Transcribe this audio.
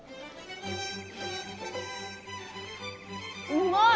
うまい！